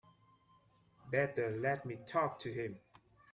Better let me talk to him.